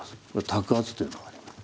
托鉢というのがあります。